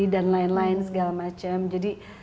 dan lain lain segala macam jadi